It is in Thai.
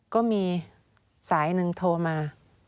ก็มีสายหนึ่งโทรมา